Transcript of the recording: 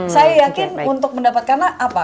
saya yakin untuk mendapatkannya apa